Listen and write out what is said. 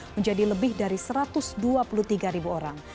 menjadi lebih dari satu ratus dua puluh tiga ribu orang